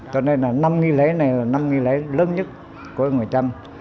cho nên là năm nghi lễ này là năm nghi lễ lớn nhất của người trăm